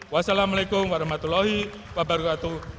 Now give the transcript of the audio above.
wassalamualaikum warahmatullahi wabarakatuh